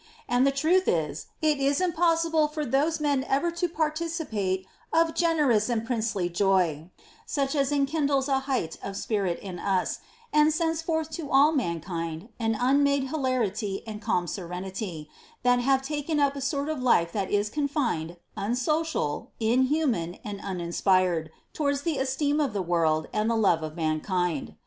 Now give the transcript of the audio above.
And the truth is, it is impossible for those men ever to participate of generous and princely joy, such as enkindles a height of spirit in us and sends forth to all mankind an unmade hilarity and calm serenity, that have taken up a sort of life that is confined, unsocial, inhuman, and unin 18 i PLEASURE NOT ATTAINABLE spired towards the esteem of the world and the love of mankind.